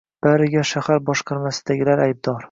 Bariga shahar boshqarmasidagilar aybdor.